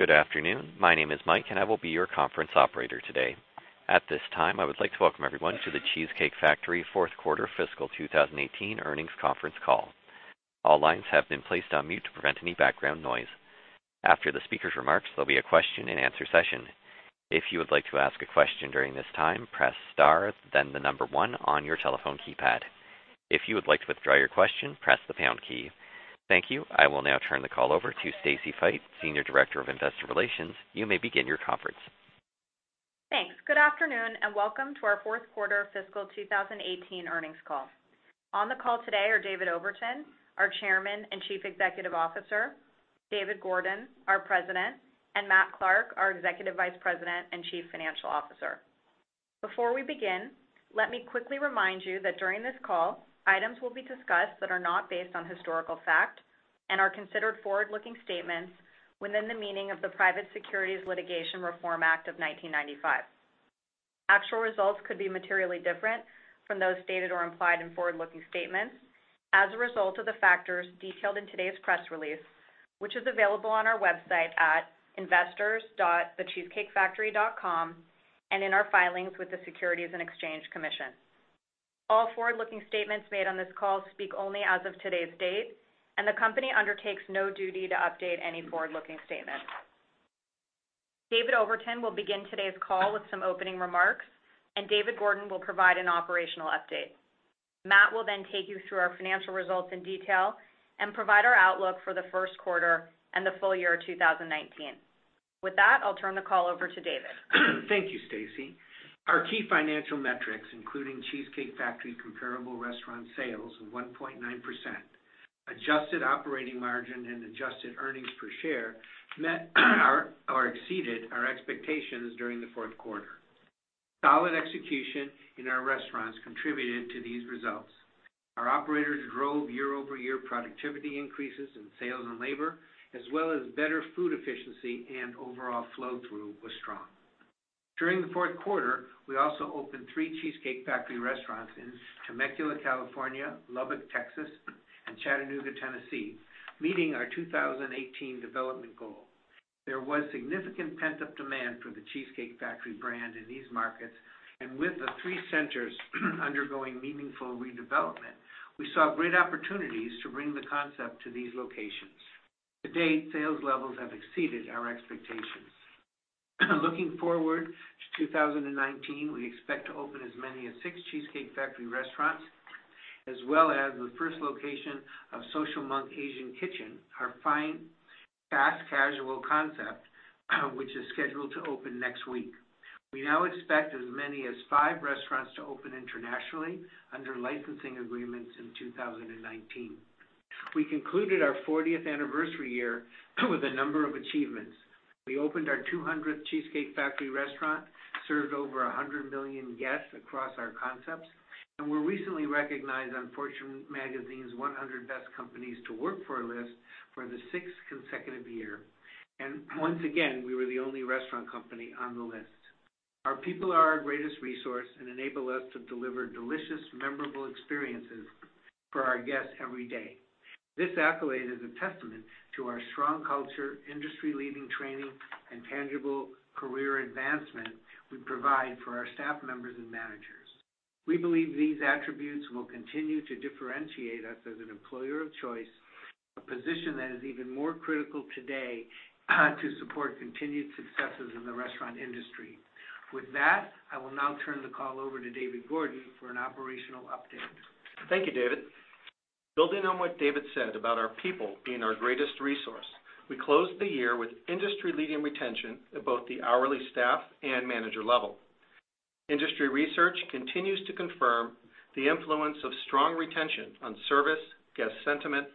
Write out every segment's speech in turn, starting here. Good afternoon. My name is Mike, and I will be your conference operator today. At this time, I would like to welcome everyone to The Cheesecake Factory fourth quarter fiscal 2018 earnings conference call. All lines have been placed on mute to prevent any background noise. After the speaker's remarks, there'll be a question and answer session. If you would like to ask a question during this time, press star, then the number 1 on your telephone keypad. If you would like to withdraw your question, press the pound key. Thank you. I will now turn the call over to Stacy Feit, Senior Director of Investor Relations. You may begin your conference. Thanks. Good afternoon. Welcome to our fourth quarter fiscal 2018 earnings call. On the call today are David Overton, our Chairman and Chief Executive Officer, David Gordon, our President, and Matthew Clark, our Executive Vice President and Chief Financial Officer. Before we begin, let me quickly remind you that during this call, items will be discussed that are not based on historical fact and are considered forward-looking statements within the meaning of the Private Securities Litigation Reform Act of 1995. Actual results could be materially different from those stated or implied in forward-looking statements as a result of the factors detailed in today's press release, which is available on our website at investors.thecheesecakefactory.com and in our filings with the Securities and Exchange Commission. All forward-looking statements made on this call speak only as of today's date. The company undertakes no duty to update any forward-looking statements. David Overton will begin today's call with some opening remarks. David Gordon will provide an operational update. Matt will then take you through our financial results in detail and provide our outlook for the first quarter and the full year 2019. With that, I'll turn the call over to David. Thank you, Stacy. Our key financial metrics, including The Cheesecake Factory comparable restaurant sales of 1.9%, adjusted operating margin and adjusted earnings per share, met or exceeded our expectations during the fourth quarter. Solid execution in our restaurants contributed to these results. Our operators drove year-over-year productivity increases in sales and labor, as well as better food efficiency and overall flow through was strong. During the fourth quarter, we also opened three The Cheesecake Factory restaurants in Temecula, California, Lubbock, Texas, and Chattanooga, Tennessee, meeting our 2018 development goal. There was significant pent-up demand for The Cheesecake Factory brand in these markets. With the three centers undergoing meaningful redevelopment, we saw great opportunities to bring the concept to these locations. To date, sales levels have exceeded our expectations. Looking forward to 2019, we expect to open as many as six The Cheesecake Factory restaurants, as well as the first location of Social Monk Asian Kitchen, our fine fast casual concept which is scheduled to open next week. We now expect as many as five restaurants to open internationally under licensing agreements in 2019. We concluded our 40th anniversary year with a number of achievements. We opened our 200th The Cheesecake Factory restaurant, served over 100 million guests across our concepts, and were recently recognized on Fortune Magazine's 100 Best Companies to Work For list for the sixth consecutive year. Once again, we were the only restaurant company on the list. Our people are our greatest resource and enable us to deliver delicious, memorable experiences for our guests every day. Thank you, David. Building on what David said about our people being our greatest resource, we closed the year with industry-leading retention at both the hourly staff and manager level. Industry research continues to confirm the influence of strong retention on service, guest sentiment,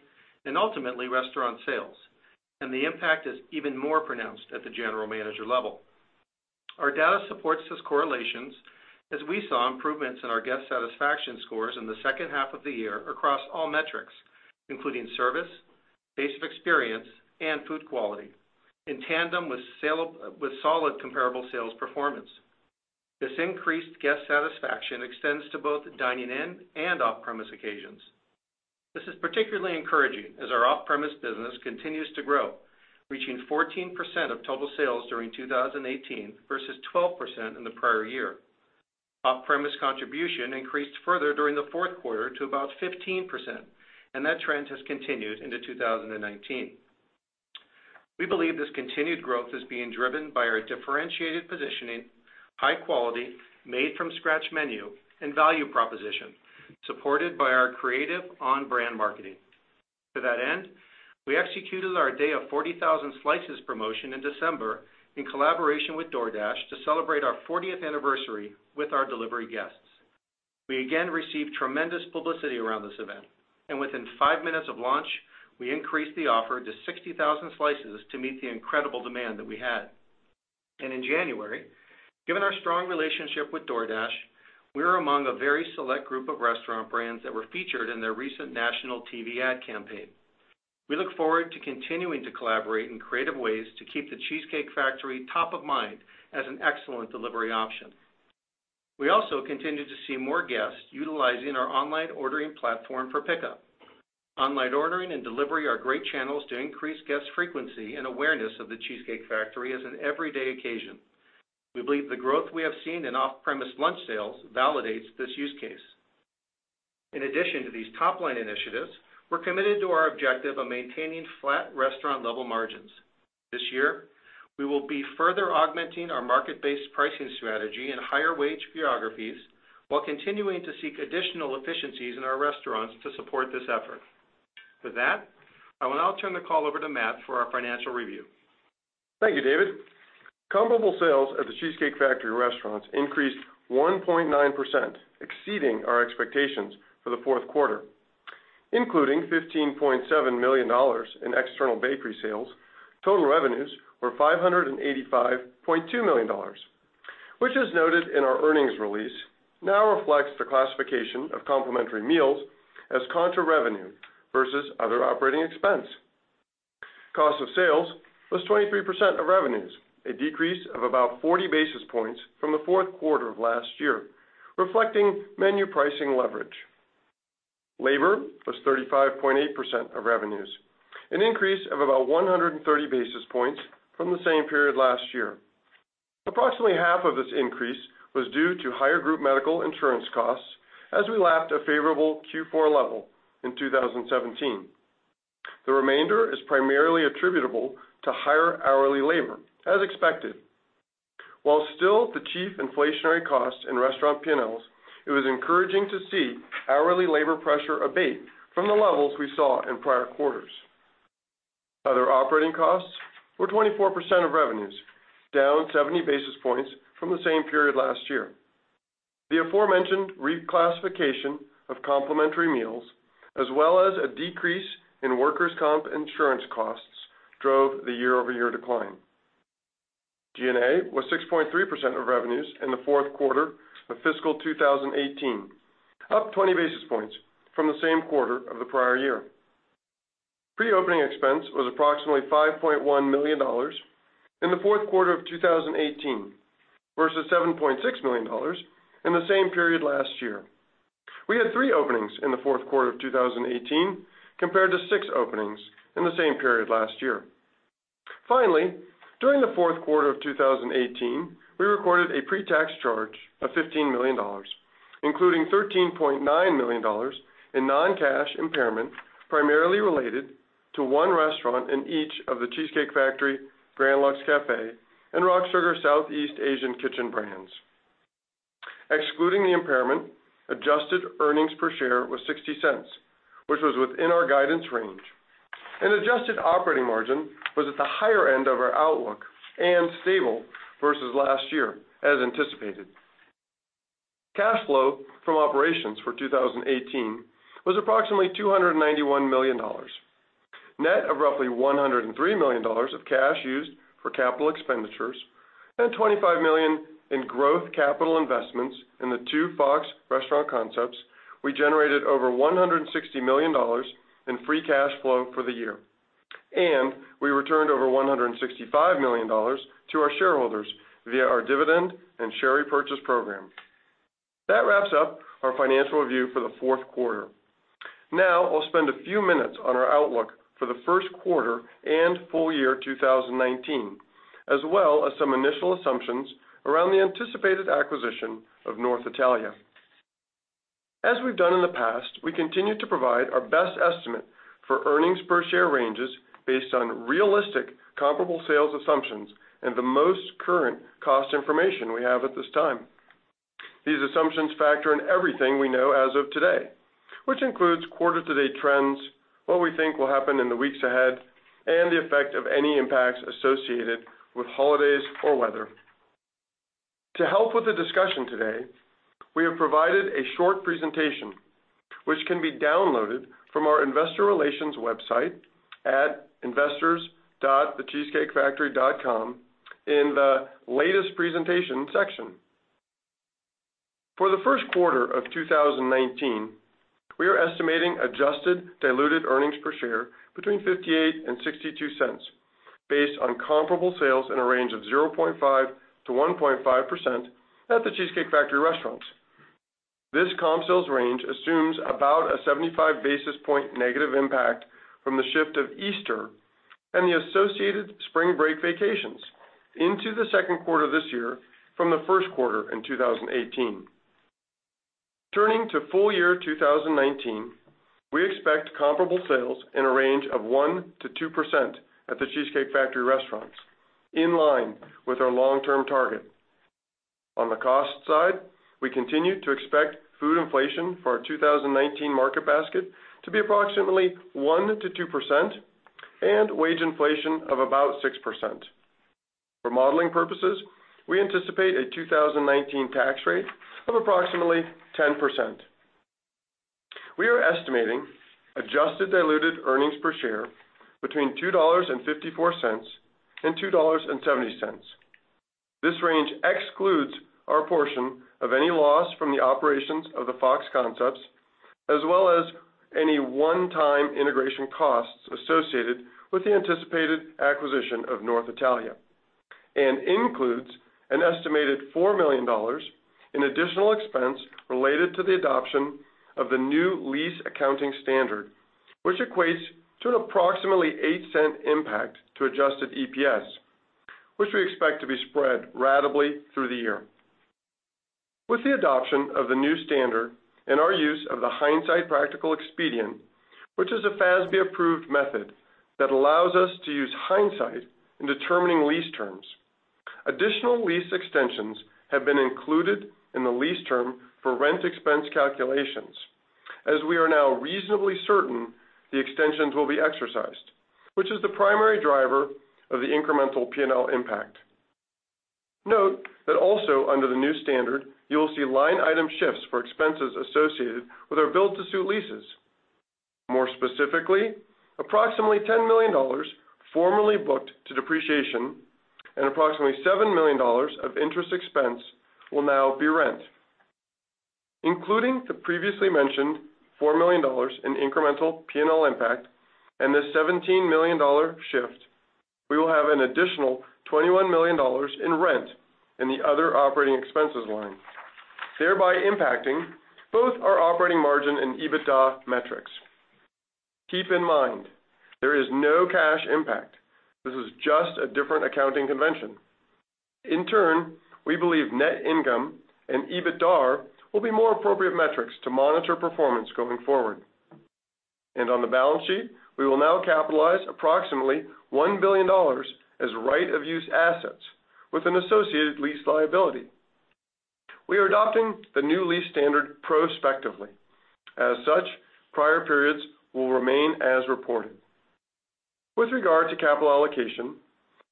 and ultimately, restaurant sales. The impact is even more pronounced at the general manager level. Our data supports these correlations as we saw improvements in our guest satisfaction scores in the second half of the year across all metrics, including service, pace of experience, and food quality, in tandem with solid comparable sales performance. This increased guest satisfaction extends to both dining in and off-premise occasions. This is particularly encouraging as our off-premise business continues to grow, reaching 14% of total sales during 2018 versus 12% in the prior year. Off-premise contribution increased further during the fourth quarter to about 15%, that trend has continued into 2019. We believe this continued growth is being driven by our differentiated positioning, high quality, made-from-scratch menu, and value proposition, supported by our creative on-brand marketing. To that end, we executed our Day of 40,000 Slices promotion in December in collaboration with DoorDash to celebrate our 40th anniversary with our delivery guests. We again received tremendous publicity around this event, within five minutes of launch, we increased the offer to 60,000 slices to meet the incredible demand that we had. In January, given our strong relationship with DoorDash, we were among a very select group of restaurant brands that were featured in their recent national TV ad campaign. Off-premise contribution increased further during the fourth quarter to about 15%. That trend has continued into 2019. We believe this continued growth is being driven by our differentiated positioning, high quality, made-from-scratch menu, and value proposition, supported by our creative we're committed to our objective of maintaining flat restaurant level margins. This year, we will be further augmenting our market-based pricing strategy in higher wage geographies while continuing to seek additional efficiencies in our restaurants to support this effort. With that, I will now turn the call over to Matt for our financial review. Thank you, David. Comparable sales at The Cheesecake Factory restaurants increased 1.9%, exceeding our expectations for the fourth quarter. Including $15.7 million in external bakery sales, total revenues were $585.2 million, which, as noted in our earnings release, now reflects the classification of complimentary meals as contra revenue versus other operating expense. Cost of sales was 23% of revenues, a decrease of about 40 basis points from the fourth quarter of last year, reflecting menu pricing leverage. Labor was 35.8% of revenues, an increase of about 130 basis points from the same period last year. Approximately half of this increase was due to higher group medical insurance costs as we lapped a favorable Q4 level in 2017. The remainder is primarily attributable to higher hourly labor, as expected. While still the chief inflationary cost in restaurant P&Ls, it was encouraging to see hourly labor pressure abate from the levels we saw in prior quarters. Other operating costs were 24% of revenues, down 70 basis points from the same period last year. The aforementioned reclassification of complimentary meals, as well as a decrease in workers' comp insurance costs, drove the year-over-year decline. G&A was 6.3% of revenues in the fourth quarter of fiscal 2018, up 20 basis points from the same quarter of the prior year. Pre-opening expense was approximately $5.1 million in the fourth quarter of 2018 versus $7.6 million in the same period last year. We had three openings in the fourth quarter of 2018 compared to six openings in the same period last year. Finally, during the fourth quarter of 2018, we recorded a pre-tax charge of $15 million, including $13.9 million in non-cash impairment, primarily related to one restaurant in each of The Cheesecake Factory, Grand Lux Cafe, and RockSugar Southeast Asian Kitchen brands. Excluding the impairment, adjusted earnings per share was $0.60, which was within our guidance range, and adjusted operating margin was at the higher end of our outlook and stable versus last year, as anticipated. Cash flow from operations for 2018 was approximately $291 million. Net of roughly $103 million of cash used for capital expenditures and $25 million in growth capital investments in the two Fox Restaurant Concepts, we generated over $160 million in free cash flow for the year, and we returned over $165 million to our shareholders via our dividend and share repurchase program. That wraps up our financial review for the fourth quarter. Now, I'll spend a few minutes on our outlook for the first quarter and full year 2019, as well as some initial assumptions around the anticipated acquisition of North Italia. As we've done in the past, we continue to provide our best estimate for earnings per share ranges based on realistic comparable sales assumptions and the most current cost information we have at this time. These assumptions factor in everything we know as of today, which includes quarter to date trends, what we think will happen in the weeks ahead, and the effect of any impacts associated with holidays or weather. To help with the discussion today, we have provided a short presentation which can be downloaded from our investor relations website at investors.thecheesecakefactory.com in the Latest Presentation section. For the first quarter of 2019, we are estimating adjusted diluted earnings per share between $0.58 and $0.62 based on comparable sales in a range of 0.5%-1.5% at The Cheesecake Factory restaurants. This comp sales range assumes about a 75 basis point negative impact from the shift of Easter and the associated spring break vacations into the second quarter this year from the first quarter in 2018. Turning to full year 2019, we expect comparable sales in a range of 1%-2% at The Cheesecake Factory restaurants, in line with our long-term target. On the cost side, we continue to expect food inflation for our 2019 market basket to be approximately 1%-2% and wage inflation of about 6%. For modeling purposes, we anticipate a 2019 tax rate of approximately 10%. We are estimating adjusted diluted earnings per share between $2.54 and $2.70. This range excludes our portion of any loss operations of the Fox Concepts, as well as any one-time integration costs associated with the anticipated acquisition of North Italia, and includes an estimated $4 million in additional expense related to the adoption of the new lease accounting standard, which equates to an approximately $0.08 impact to adjusted EPS, which we expect to be spread ratably through the year. With the adoption of the new standard and our use of the hindsight practical expedient, which is a FASB-approved method that allows us to use hindsight in determining lease terms, additional lease extensions have been included in the lease term for rent expense calculations, as we are now reasonably certain the extensions will be exercised, which is the primary driver of the incremental P&L impact. Note that also under the new standard, you will see line item shifts for expenses associated with our build-to-suit leases. More specifically, approximately $10 million formerly booked to depreciation and approximately $7 million of interest expense will now be rent. Including the previously mentioned $4 million in incremental P&L impact and the $17 million shift, we will have an additional $21 million in rent in the other operating expenses line, thereby impacting both our operating margin and EBITDA metrics. Keep in mind, there is no cash impact. This is just a different accounting convention. In turn, we believe net income and EBITDAR will be more appropriate metrics to monitor performance going forward. On the balance sheet, we will now capitalize approximately $1 billion as right-of-use assets with an associated lease liability. We are adopting the new lease standard prospectively. As such, prior periods will remain as reported. With regard to capital allocation,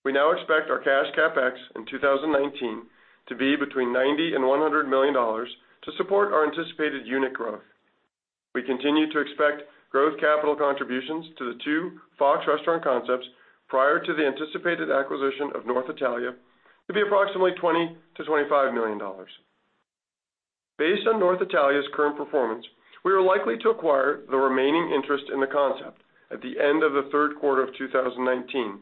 we now expect our cash CapEx in 2019 to be between $90 million and $100 million to support our anticipated unit growth. We continue to expect growth capital contributions to the two Fox Restaurant Concepts prior to the anticipated acquisition of North Italia to be approximately $20 million to $25 million. Based on North Italia's current performance, we are likely to acquire the remaining interest in the concept at the end of the third quarter of 2019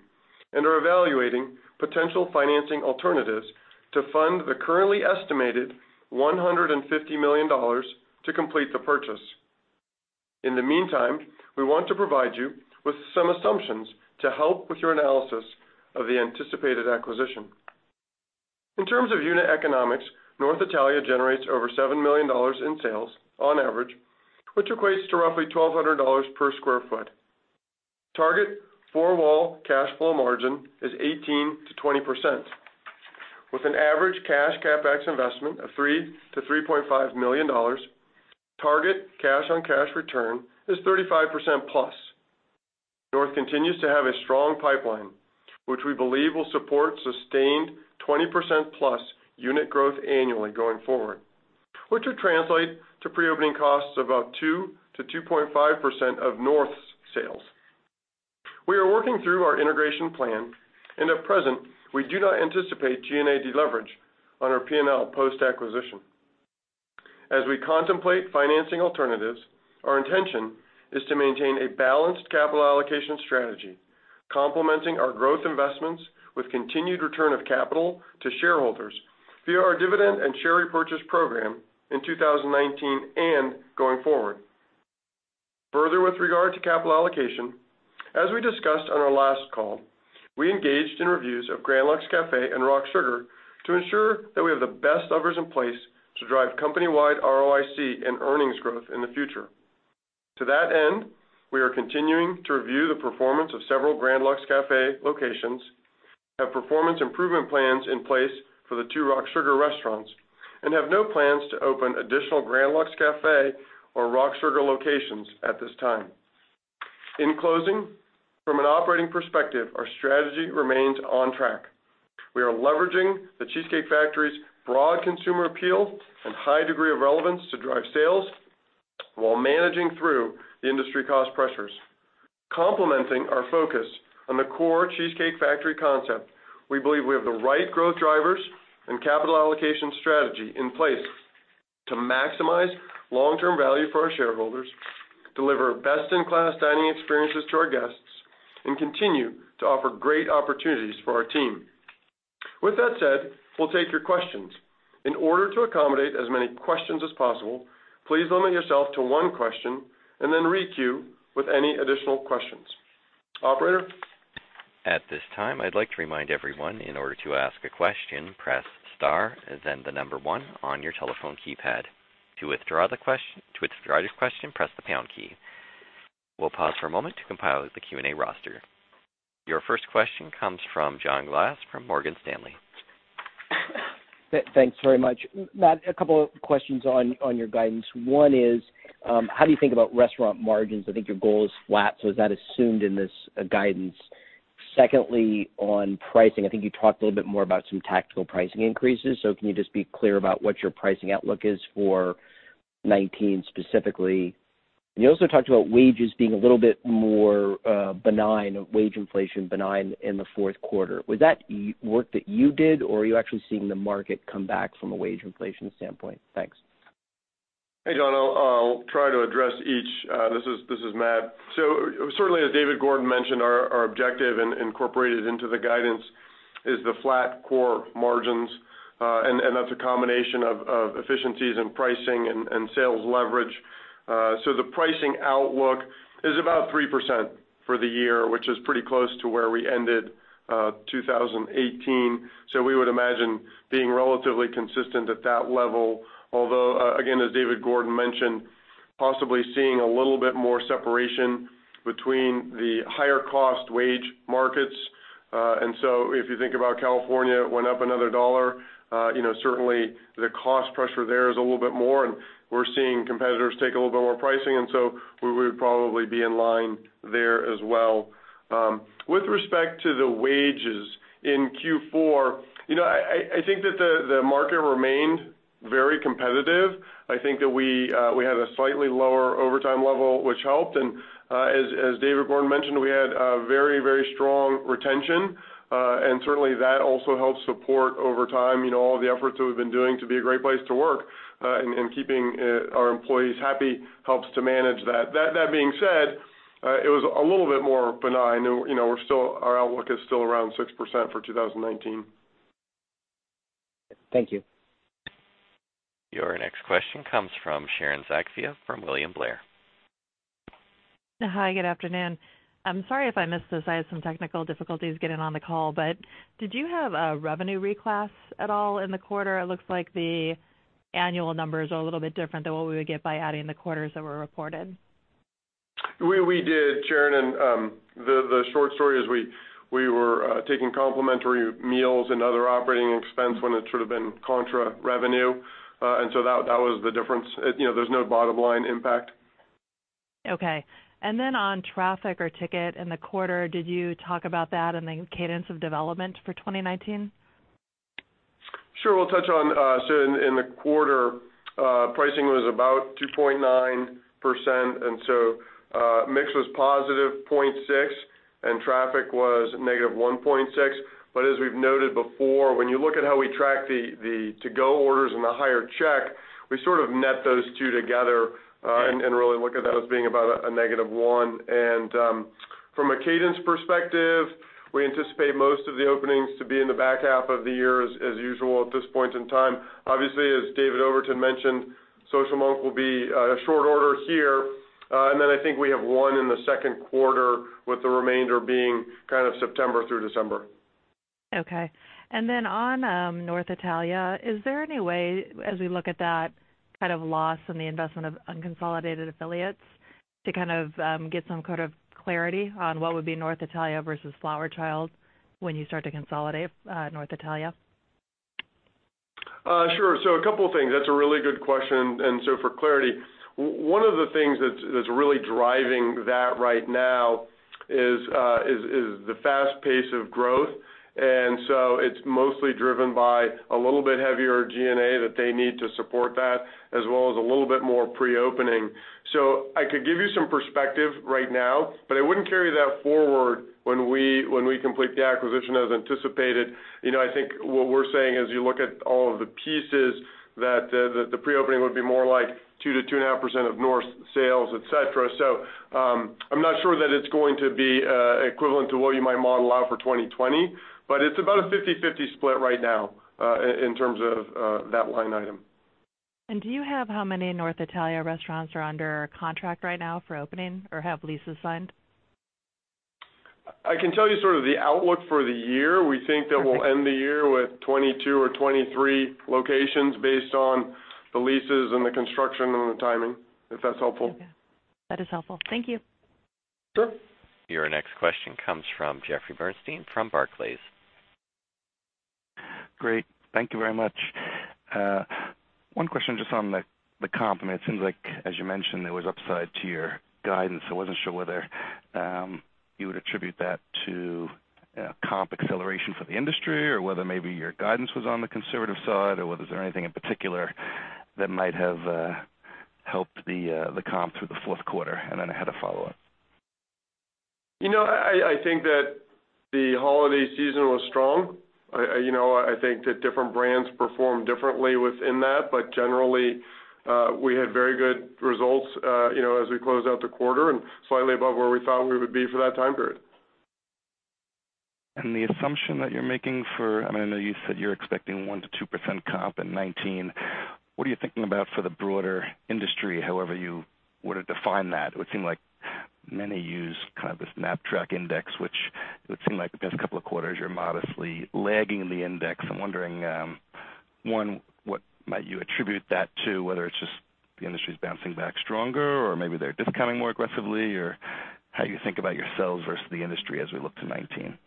and are evaluating potential financing alternatives to fund the currently estimated $150 million to complete the purchase. In the meantime, we want to provide you with some assumptions to help with your analysis of the anticipated acquisition. In terms of unit economics, North Italia generates over $7 million in sales on average, which equates to roughly $1,200 per sq ft. Target four-wall cash flow margin is 18%-20%. With an average cash CapEx investment of $3 million to $3.5 million, target cash on cash return is 35%+. North continues to have a strong pipeline, which we believe will support sustained 20%+ unit growth annually going forward, which would translate to pre-opening costs of about 2%-2.5% of North's sales. We are working through our integration plan. At present, we do not anticipate G&A deleverage on our P&L post-acquisition. As we contemplate financing alternatives, our intention is to maintain a balanced capital allocation strategy, complementing our growth investments with continued return of capital to shareholders via our dividend and share repurchase program in 2019 and going forward. Further, with regard to capital allocation, as we discussed on our last call, we engaged in reviews of Grand Lux Cafe and RockSugar to ensure that we have the best levers in place to drive company-wide ROIC and earnings growth in the future. To that end, we are continuing to review the performance of several Grand Lux Cafe locations, have performance improvement plans in place for the two RockSugar restaurants. Have no plans to open additional Grand Lux Cafe or RockSugar locations at this time. In closing, from an operating perspective, our strategy remains on track. We are leveraging The Cheesecake Factory's broad consumer appeal and high degree of relevance to drive sales while managing through the industry cost pressures. Complementing our focus on the core The Cheesecake Factory concept, we believe we have the right growth drivers and capital allocation strategy in place to maximize long-term value for our shareholders, deliver best-in-class dining experiences to our guests, and continue to offer great opportunities for our team. With that said, we will take your questions. In order to accommodate as many questions as possible, please limit yourself to one question, and then re-queue with any additional questions. Operator? At this time, I'd like to remind everyone, in order to ask a question, press star and then the number 1 on your telephone keypad. To withdraw the question, press the pound key. We'll pause for a moment to compile the Q&A roster. Your first question comes from John Glass from Morgan Stanley. Thanks very much. Matt, a couple of questions on your guidance. One is, how do you think about restaurant margins? I think your goal is flat. Is that assumed in this guidance? Secondly, on pricing, I think you talked a little bit more about some tactical pricing increases. Can you just be clear about what your pricing outlook is for 2019 specifically? You also talked about wages being a little bit more benign, wage inflation benign in the fourth quarter. Was that work that you did, or are you actually seeing the market come back from a wage inflation standpoint? Thanks. Hey, John. I'll try to address each. This is Matt. Certainly, as David Gordon mentioned, our objective incorporated into the guidance is the flat core margins, and that's a combination of efficiencies in pricing and sales leverage. The pricing outlook is about 3% for the year, which is pretty close to where we ended 2018. We would imagine being relatively consistent at that level, although, again, as David Gordon mentioned, possibly seeing a little bit more separation between the higher cost wage markets. If you think about California, it went up another $1. Certainly, the cost pressure there is a little bit more, and we're seeing competitors take a little bit more pricing. We would probably be in line there as well. With respect to the wages in Q4, I think that the market remained very competitive. I think that we had a slightly lower overtime level, which helped. As David Gordon mentioned, we had a very strong retention, and certainly that also helps support over time all of the efforts that we've been doing to be a great place to work, and keeping our employees happy helps to manage that. That being said, it was a little bit more benign. Our outlook is still around 6% for 2019. Thank you. Your next question comes from Sharon Zackfia from William Blair. Hi, good afternoon. I'm sorry if I missed this. I had some technical difficulties getting on the call. Did you have a revenue reclass at all in the quarter? It looks like the annual numbers are a little bit different than what we would get by adding the quarters that were reported. We did, Sharon, the short story is we were taking complimentary meals and other operating expense when it should have been contra revenue. That was the difference. There's no bottom line impact. Okay. On traffic or ticket in the quarter, did you talk about that and the cadence of development for 2019? Sure. In the quarter, pricing was about 2.9%, mix was positive 0.6%, and traffic was -1.6%. As we've noted before, when you look at how we track the to-go orders and the higher check, we sort of net those two together and really look at that as being about a -1%. From a cadence perspective, we anticipate most of the openings to be in the back half of the year as usual at this point in time. Obviously, as David Overton mentioned, Social Monk will be a short order here. I think we have one in the second quarter with the remainder being kind of September through December. Okay. On North Italia, is there any way, as we look at that kind of loss in the investment of unconsolidated affiliates, to kind of get some kind of clarity on what would be North Italia versus Flower Child when you start to consolidate North Italia? A couple of things. That's a really good question. For clarity, one of the things that's really driving that right now is the fast pace of growth. It's mostly driven by a little bit heavier G&A that they need to support that, as well as a little bit more pre-opening. I could give you some perspective right now, but I wouldn't carry that forward when we complete the acquisition as anticipated. I think what we're saying is you look at all of the pieces that the pre-opening would be more like 2%-2.5% of North Italia's sales, et cetera. I'm not sure that it's going to be equivalent to what you might model out for 2020, but it's about a 50/50 split right now in terms of that line item. Do you have how many North Italia restaurants are under contract right now for opening or have leases signed? I can tell you sort of the outlook for the year. We think that we'll end the year with 22 or 23 locations based on the leases and the construction and the timing, if that's helpful. That is helpful. Thank you. Sure. Your next question comes from Jeffrey Bernstein from Barclays. Great. Thank you very much. One question just on the comp. It seems like, as you mentioned, there was upside to your guidance. I wasn't sure whether you would attribute that to comp acceleration for the industry or whether maybe your guidance was on the conservative side, or was there anything in particular that might have helped the comp through the fourth quarter? I had a follow-up. I think that the holiday season was strong. I think that different brands performed differently within that, but generally, we had very good results as we closed out the quarter and slightly above where we thought we would be for that time period. The assumption that you're making for, I know you said you're expecting 1%-2% comp in 2019. What are you thinking about for the broader industry, however you were to define that? It would seem like many use kind of this MillerPulse index, which it would seem like the past couple of quarters, you're modestly lagging in the index. I'm wondering, one, what might you attribute that to, whether it's just the industry's bouncing back stronger or maybe they're discounting more aggressively, or how you think about yourselves versus the industry as we look to 2019.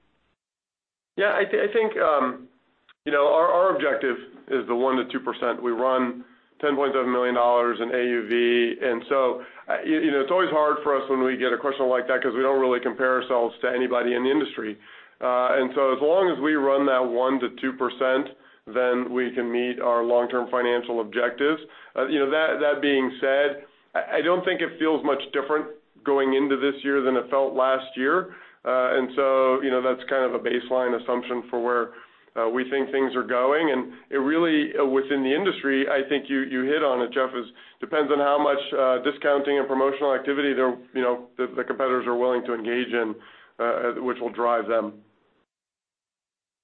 I think our objective is the 1%-2%. We run $10.7 million in AUV. It's always hard for us when we get a question like that because we don't really compare ourselves to anybody in the industry. As long as we run that 1%-2%, then we can meet our long-term financial objectives. That being said, I don't think it feels much different going into this year than it felt last year. That's kind of a baseline assumption for where we think things are going. Really, within the industry, I think you hit on it, Jeff, is depends on how much discounting and promotional activity the competitors are willing to engage in, which will drive them.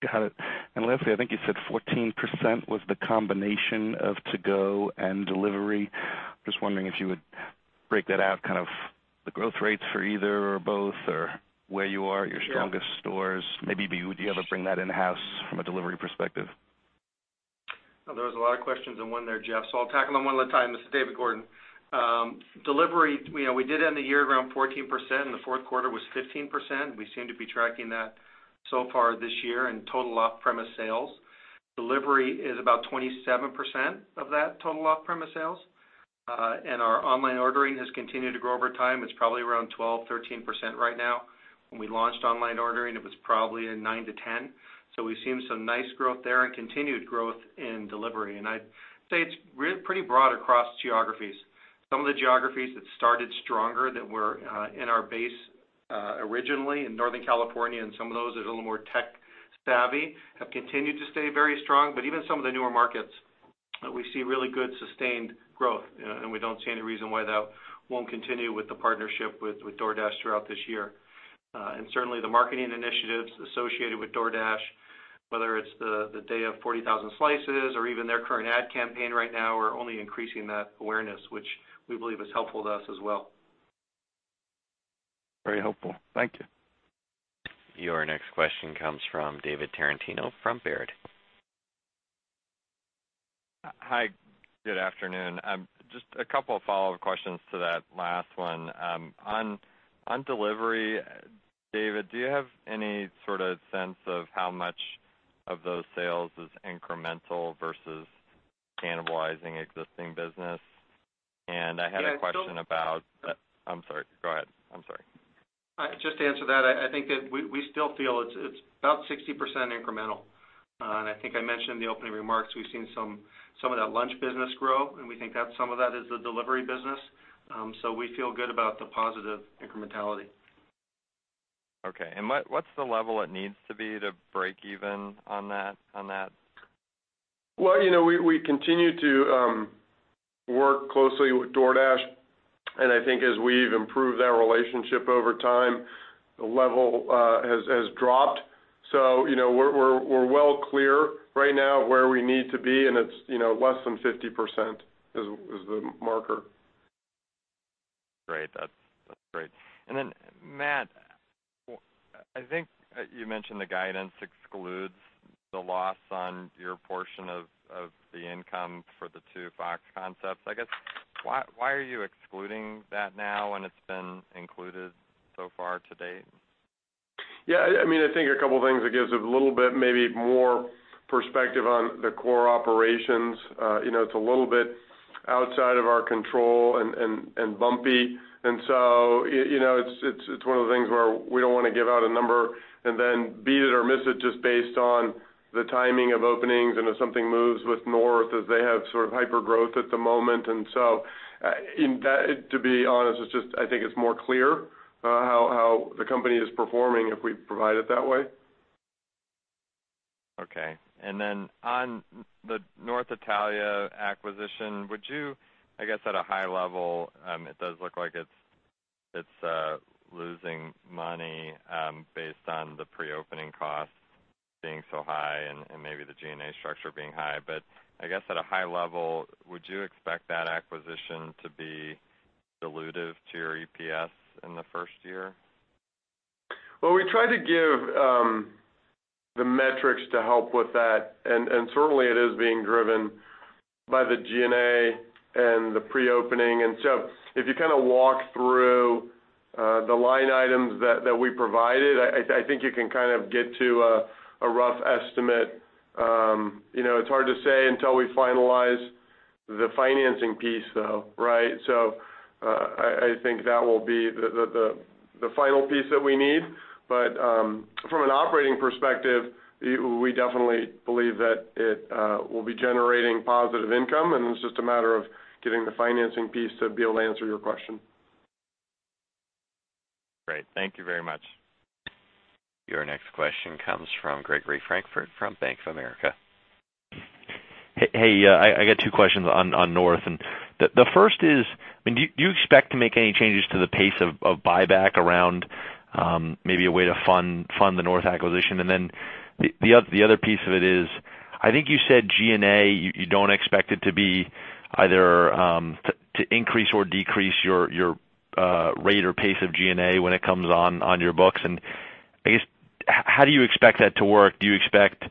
Got it. Lastly, I think you said 14% was the combination of to-go and delivery. Just wondering if you would break that out, kind of the growth rates for either or both or where you are at your strongest stores. Maybe do you ever bring that in-house from a delivery perspective? There was a lot of questions in one there, Jeff, so I'll tackle them one at a time. This is David Gordon. Delivery, we did end the year around 14%, and the fourth quarter was 15%. We seem to be tracking that so far this year in total off-premise sales. Delivery is about 27% of that total off-premise sales. Our online ordering has continued to grow over time. It's probably around 12%-13% right now. When we launched online ordering, it was probably a 9-10. We've seen some nice growth there and continued growth in delivery. I'd say it's pretty broad across geographies. Some of the geographies that started stronger that were in our base originally in Northern California and some of those that are a little more tech savvy have continued to stay very strong. Even some of the newer markets, we see really good sustained growth. We don't see any reason why that won't continue with the partnership with DoorDash throughout this year. Certainly, the marketing initiatives associated with DoorDash, whether it's the Day of 40,000 Slices or even their current ad campaign right now, we're only increasing that awareness, which we believe is helpful to us as well. Very helpful. Thank you. Your next question comes from David Tarantino from Baird. Hi, good afternoon. Just a couple of follow-up questions to that last one. On delivery, David, do you have any sort of sense of how much of those sales is incremental versus cannibalizing existing business? I'm sorry, go ahead. Just to answer that, I think that we still feel it's about 60% incremental. I think I mentioned in the opening remarks, we've seen some of that lunch business grow, and we think that some of that is the delivery business. We feel good about the positive incrementality. Okay. What's the level it needs to be to break even on that? Well, we continue to work closely with DoorDash, and I think as we've improved that relationship over time, the level has dropped. We're well clear right now of where we need to be, and it's less than 50% is the marker. Great. That's great. Then Matt, I think you mentioned the guidance excludes the loss on your portion of the income for the two Fox concepts. I guess, why are you excluding that now when it's been included so far to date? Yeah, I think a couple of things. It gives it a little bit, maybe more perspective on the core operations. It's a little bit outside of our control and bumpy. It's one of the things where we don't want to give out a number and then beat it or miss it just based on the timing of openings and if something moves with North as they have sort of hyper-growth at the moment. To be honest, I think it's more clear how the company is performing if we provide it that way. Okay. On the North Italia acquisition, I guess at a high level, it does look like it's losing money based on the pre-opening costs being so high and maybe the G&A structure being high. I guess at a high level, would you expect that acquisition to be dilutive to your EPS in the first year? Well, we try to give the metrics to help with that, and certainly it is being driven by the G&A and the pre-opening. If you walk through the line items that we provided, I think you can kind of get to a rough estimate. It's hard to say until we finalize the financing piece, though, right? I think that will be the final piece that we need. From an operating perspective, we definitely believe that it will be generating positive income, and it's just a matter of getting the financing piece to be able to answer your question. Great. Thank you very much. Your next question comes from Gregory Francfort from Bank of America. Hey, I got two questions on North. The first is, do you expect to make any changes to the pace of buyback around maybe a way to fund the North acquisition? The other piece of it is, I think you said G&A, you don't expect it to be either to increase or decrease your rate or pace of G&A when it comes on your books. I guess, how do you expect that to work? Do you expect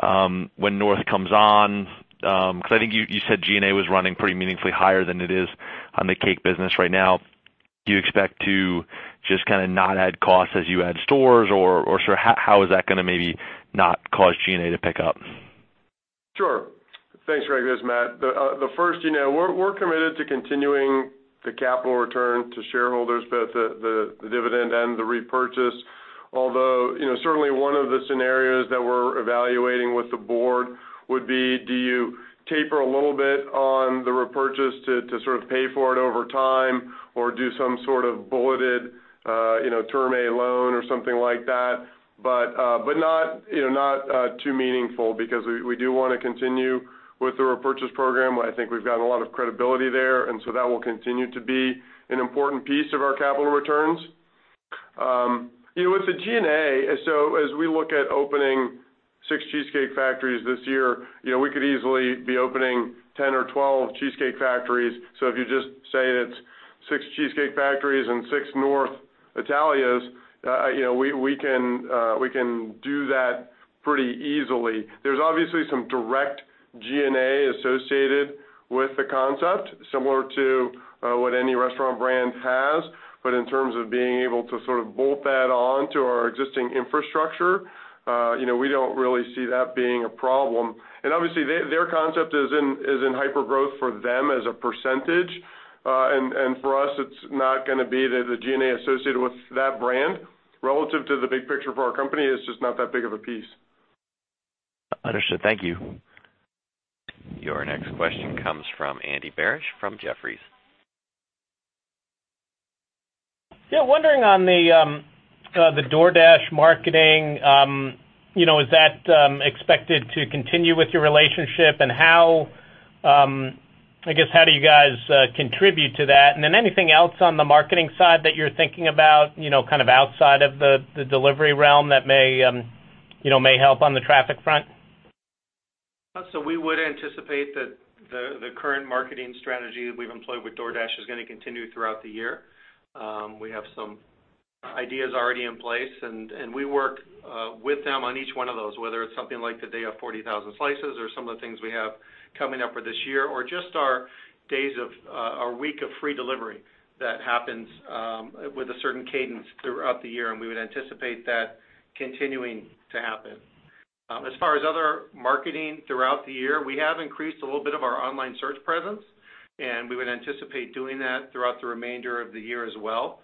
when North comes on, because I think you said G&A was running pretty meaningfully higher than it is on The Cheesecake Factory business right now. Do you expect to just kind of not add costs as you add stores? Or how is that going to maybe not cause G&A to pick up? Sure. Thanks, Greg. This is Matt. The first, we're committed to continuing the capital return to shareholders, both the dividend and the repurchase. Although, certainly one of the scenarios that we're evaluating with the board would be, do you taper a little bit on the repurchase to sort of pay for it over time or do some sort of bulleted term A loan or something like that? Not too meaningful because we do want to continue with the repurchase program. I think we've gotten a lot of credibility there. That will continue to be an important piece of our capital returns. With the G&A, as we look at opening 6 Cheesecake Factories this year, we could easily be opening 10 or 12 Cheesecake Factories. If you just say it's 6 Cheesecake Factories and 6 North Italia's, we can do that pretty easily. There's obviously some direct G&A associated with the concept, similar to what any restaurant brand has. In terms of being able to sort of bolt that on to our existing infrastructure, we don't really see that being a problem. Obviously, their concept is in hypergrowth for them as a percentage. For us, it's not going to be the G&A associated with that brand. Relative to the big picture for our company, it's just not that big of a piece. Understood. Thank you. Your next question comes from Andy Barish from Jefferies. Yeah. Wondering on the DoorDash marketing, is that expected to continue with your relationship and how do you guys contribute to that? Then anything else on the marketing side that you're thinking about, kind of outside of the delivery realm that may help on the traffic front? We would anticipate that the current marketing strategy that we've employed with DoorDash is going to continue throughout the year. We have some ideas already in place, and we work with them on each one of those, whether it's something like the Day of 40,000 Slices or some of the things we have coming up for this year, or just our week of free delivery that happens with a certain cadence throughout the year, and we would anticipate that continuing to happen. As far as other marketing throughout the year, we have increased a little bit of our online search presence, and we would anticipate doing that throughout the remainder of the year as well.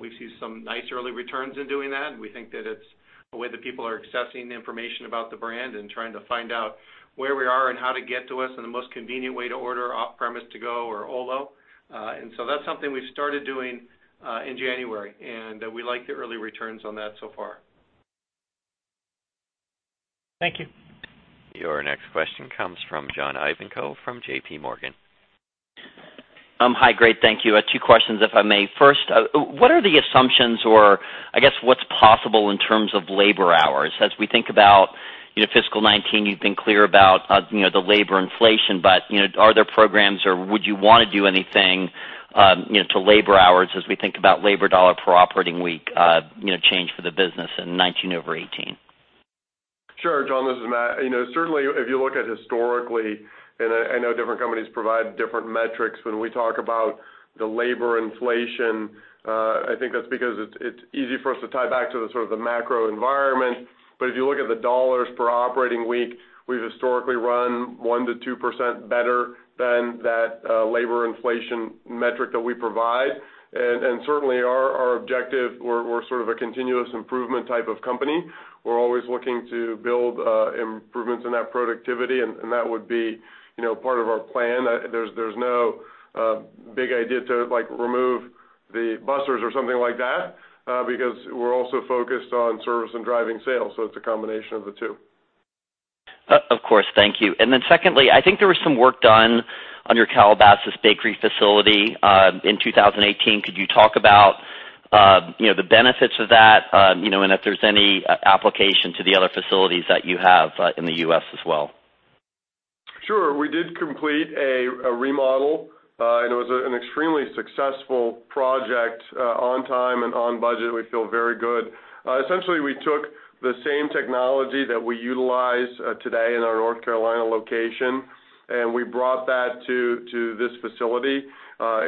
We see some nice early returns in doing that, and we think that it's a way that people are accessing the information about the brand and trying to find out where we are and how to get to us and the most convenient way to order off-premise to go or OLO. That's something we started doing in January, and we like the early returns on that so far. Thank you. Your next question comes from John Ivankoe from JP Morgan. Hi. Great, thank you. Two questions if I may. First, what are the assumptions or I guess what's possible in terms of labor hours? As we think about fiscal 2019, you've been clear about the labor inflation, are there programs, or would you want to do anything to labor dollar per operating week change for the business in 2019 over 2018? Sure, John, this is Matt. Certainly, if you look at historically, I know different companies provide different metrics when we talk about the labor inflation, I think that's because it's easy for us to tie back to the macro environment. If you look at the dollars per operating week, we've historically run 1%-2% better than that labor inflation metric that we provide. Certainly, our objective, we're sort of a continuous improvement type of company. We're always looking to build improvements in that productivity, and that would be part of our plan. There's no big idea to remove the bussers or something like that because we're also focused on service and driving sales, it's a combination of the two. Of course. Thank you. Secondly, I think there was some work done on your Calabasas bakery facility in 2018. Could you talk about the benefits of that, and if there's any application to the other facilities that you have in the U.S. as well? Sure. We did complete a remodel. It was an extremely successful project on time and on budget. We feel very good. Essentially, we took the same technology that we utilize today in our North Carolina location. We brought that to this facility.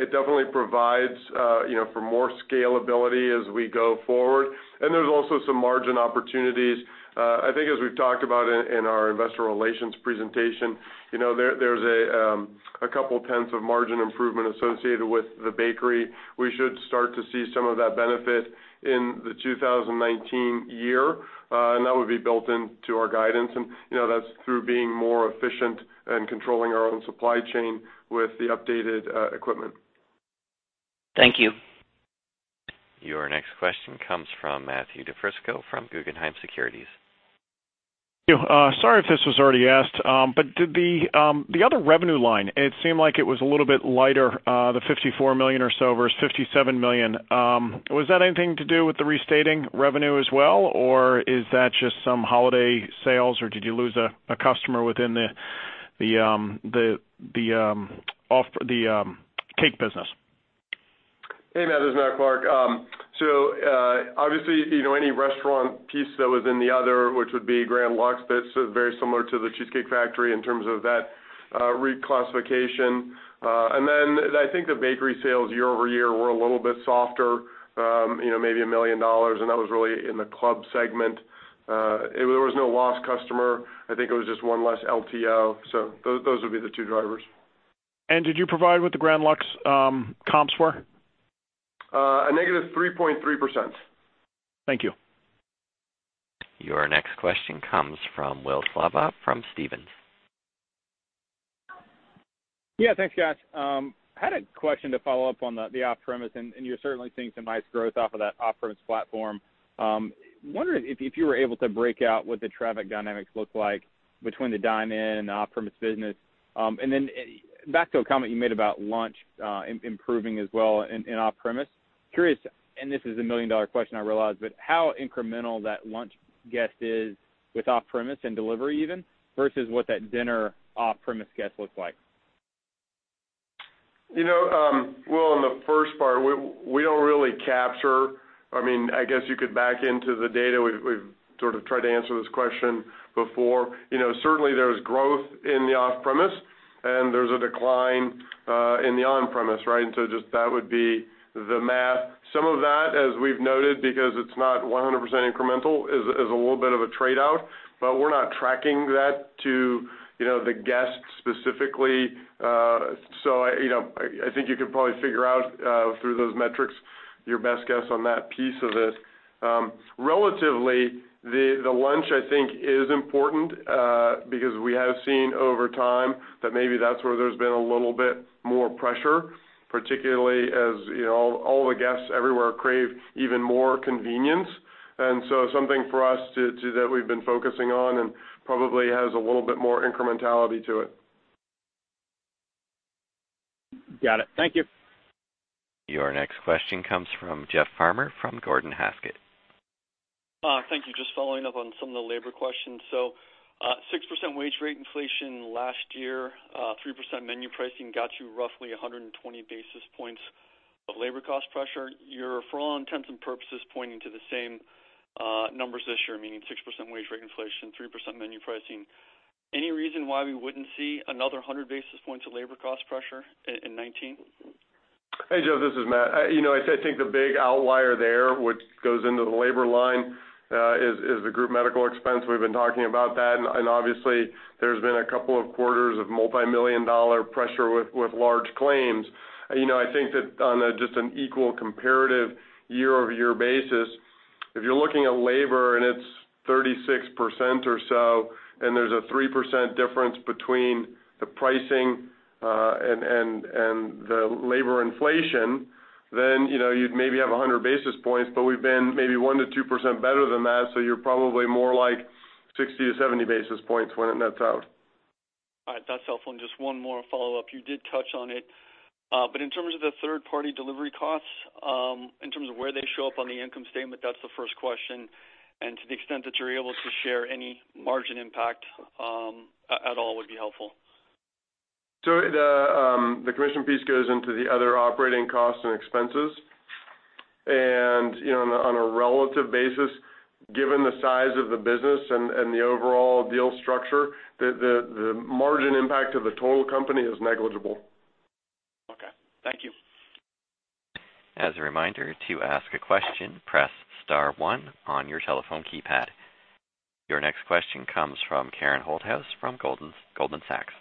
It definitely provides for more scalability as we go forward. There's also some margin opportunities. I think as we've talked about in our investor relations presentation, there's a couple tenths of margin improvement associated with the bakery. We should start to see some of that benefit in the 2019 year. That would be built into our guidance. That's through being more efficient and controlling our own supply chain with the updated equipment. Thank you. Your next question comes from Matthew DiFrisco from Guggenheim Securities. Sorry if this was already asked, the other revenue line, it seemed like it was a little bit lighter, the $54 million or so versus $57 million. Was that anything to do with the restating revenue as well, or is that just some holiday sales, or did you lose a customer within the cake business? Hey, Matt, this is Matthew Clark. Obviously, any restaurant piece that was in the other, which would be Grand Lux, that's very similar to The Cheesecake Factory in terms of that reclassification. I think the bakery sales year-over-year were a little bit softer, maybe $1 million, and that was really in the club segment. There was no lost customer. I think it was just one less LTO. Those would be the two drivers. Did you provide what the Grand Lux comps were? A negative 3.3%. Thank you. Your next question comes from Will Slabaugh from Stephens. Yeah, thanks guys. I had a question to follow up on the off-premise, and you're certainly seeing some nice growth off of that off-premise platform. Wondering if you were able to break out what the traffic dynamics look like between the dine-in and the off-premise business. Back to a comment you made about lunch improving as well in off-premise. Curious, and this is a million dollar question, I realize, but how incremental that lunch guest is with off-premise and delivery even, versus what that dinner off-premise guest looks like. Will, on the first part, we don't really capture, I guess you could back into the data. We've sort of tried to answer this question before. Certainly, there's growth in the off-premise, and there's a decline in the on-premise. Just that would be the math. Some of that, as we've noted, because it's not 100% incremental, is a little bit of a trade-out. We're not tracking that to the guest specifically. I think you could probably figure out through those metrics your best guess on that piece of this. Relatively, the lunch, I think, is important because we have seen over time that maybe that's where there's been a little bit more pressure, particularly as all the guests everywhere crave even more convenience. Something for us that we've been focusing on and probably has a little bit more incrementality to it. Got it. Thank you. Your next question comes from Jeff Farmer from Gordon Haskett. Thank you. Just following up on some of the labor questions. 6% wage rate inflation last year, 3% menu pricing got you roughly 120 basis points of labor cost pressure. You're, for all intents and purposes, pointing to the same numbers this year, meaning 6% wage rate inflation, 3% menu pricing. Any reason why we wouldn't see another 100 basis points of labor cost pressure in 2019? Hey, Jeff, this is Matt. I think the big outlier there, which goes into the labor line, is the group medical expense. We've been talking about that, and obviously, there's been a couple of quarters of multimillion-dollar pressure with large claims. I think that on just an equal comparative year-over-year basis, if you're looking at labor and it's 36% or so, and there's a 3% difference between the pricing and the labor inflation, then you'd maybe have 100 basis points, but we've been maybe 1%-2% better than that, so you're probably more like 60-70 basis points when it nets out. That's helpful. Just one more follow-up. You did touch on it. In terms of the third party delivery costs, in terms of where they show up on the income statement, that's the first question, and to the extent that you are able to share any margin impact at all, would be helpful. The commission piece goes into the other operating costs and expenses. On a relative basis, given the size of the business and the overall deal structure, the margin impact of the total company is negligible. Okay. Thank you. As a reminder, to ask a question, press *1 on your telephone keypad. Your next question comes from Karen Holthouse from Goldman Sachs.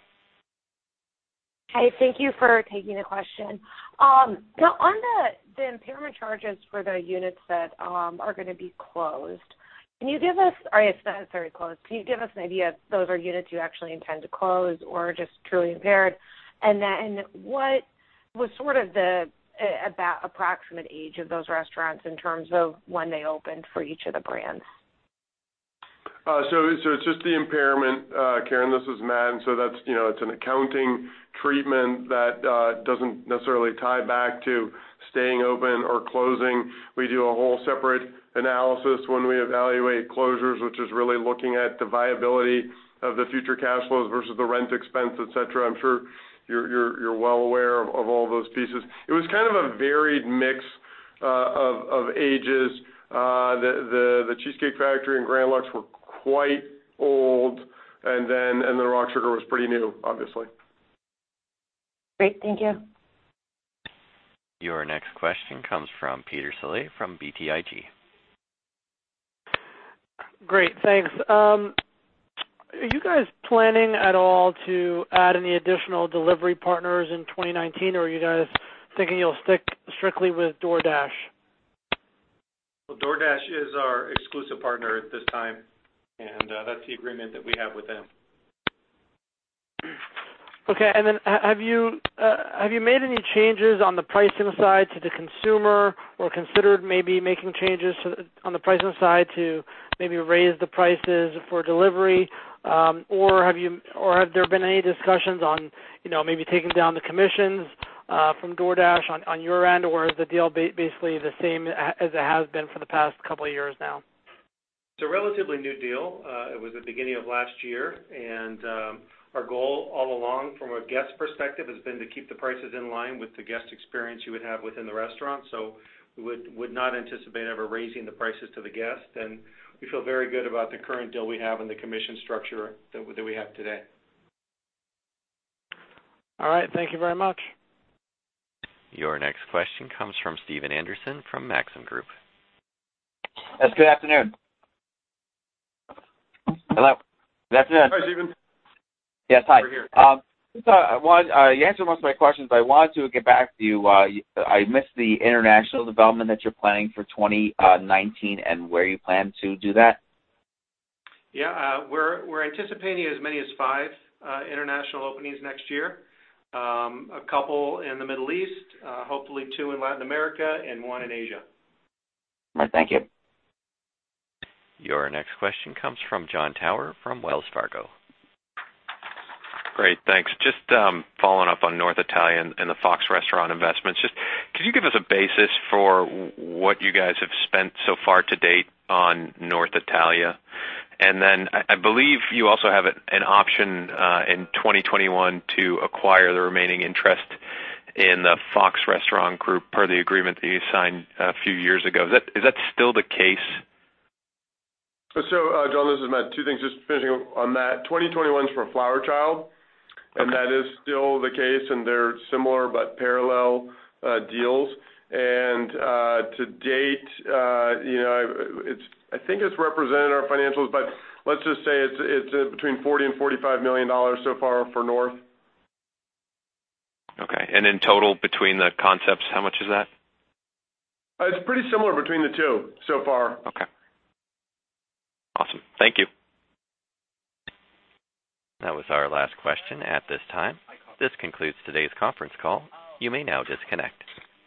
Hi, thank you for taking the question. On the impairment charges for the units that are going to be closed, or I guess not necessarily closed. Can you give us an idea if those are units you actually intend to close or just truly impaired? And then what was sort of the approximate age of those restaurants in terms of when they opened for each of the brands? It's just the impairment, Karen. This is Matt. It's an accounting treatment that doesn't necessarily tie back to staying open or closing. We do a whole separate analysis when we evaluate closures, which is really looking at the viability of the future cash flows versus the rent expense, et cetera. I'm sure you're well aware of all those pieces. It was kind of a varied mix of ages. The Cheesecake Factory and Grand Lux were quite old, and then the RockSugar was pretty new, obviously. Great. Thank you. Your next question comes from Peter Saleh from BTIG. Great, thanks. Are you guys planning at all to add any additional delivery partners in 2019, or are you guys thinking you'll stick strictly with DoorDash? Well, DoorDash is our exclusive partner at this time, that's the agreement that we have with them. Okay. Have you made any changes on the pricing side to the consumer or considered maybe making changes on the pricing side to maybe raise the prices for delivery? Have there been any discussions on maybe taking down the commissions from DoorDash on your end, or is the deal basically the same as it has been for the past couple of years now? It's a relatively new deal. It was the beginning of last year. Our goal all along from a guest perspective has been to keep the prices in line with the guest experience you would have within the restaurant. We would not anticipate ever raising the prices to the guest, we feel very good about the current deal we have and the commission structure that we have today. All right. Thank you very much. Your next question comes from Stephen Anderson from Maxim Group. Yes, good afternoon. Hello. Good afternoon. Hi, Stephen. Yes, hi. We're here. You answered most of my questions, but I wanted to get back to you. I missed the international development that you're planning for 2019 and where you plan to do that. Yeah. We're anticipating as many as five international openings next year. A couple in the Middle East, hopefully two in Latin America and one in Asia. All right, thank you. Your next question comes from Jon Tower from Wells Fargo. Great, thanks. Following up on North Italia and the Fox Restaurant investments. Could you give us a basis for what you guys have spent so far to date on North Italia? Then I believe you also have an option in 2021 to acquire the remaining interest in the Fox Restaurant Group per the agreement that you signed a few years ago. Is that still the case? Jon, this is Matt. Two things, finishing on that. 2021's for Flower Child, and that is still the case, and they're similar but parallel deals. To date, I think it's represented in our financials, but let's say it's between $40 million and $45 million so far for North. Okay. In total between the concepts, how much is that? It's pretty similar between the two so far. Okay. Awesome. Thank you. That was our last question at this time. This concludes today's conference call. You may now disconnect.